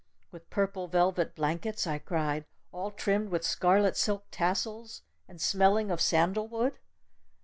"With purple velvet blankets?" I cried. "All trimmed with scarlet silk tassels? And smelling of sandalwood?"